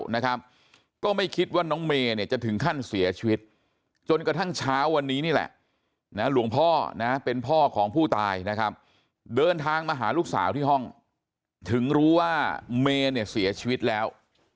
ลุงพ่อเป็นพ่อของผู้ตายนะครับเดินทางมาหาลูกสาวที่ห้องถึงรู้ว่าเมย์เนี่ยเสียชีวิตแล้ว